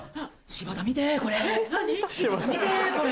柴田見てこれ。